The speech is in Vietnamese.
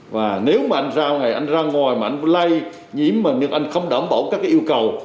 và nếu mà anh ra ngoài mà anh lây nhiễm mà anh không đảm bảo các yêu cầu